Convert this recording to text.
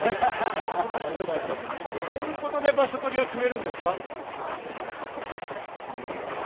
どういうことで場所取りを決めるんですか？